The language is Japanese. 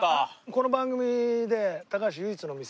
この番組で高橋唯一の見せ場。